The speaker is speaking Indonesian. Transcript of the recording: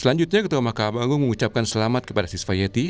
selanjutnya ketua mahkamah anggung mengucapkan selamat kepada sifayeti